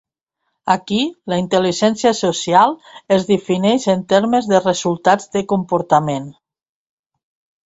Aquí, la intel·ligència social es defineix en termes de resultats de comportament.